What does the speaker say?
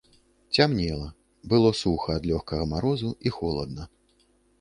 Цямнела, было суха ад лёгкага марозу і холадна.